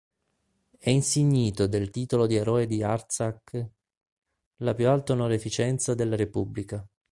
É insignito del titolo di Eroe di Artsakh, la più alta onorificenza della repubblica.